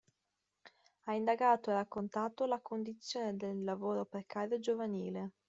Ha indagato e raccontato la condizione del lavoro precario giovanile.